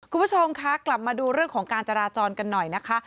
คุณผู้ชมคะกลับมาดูเรื่องของการจราจรกันหน่อยนะคะ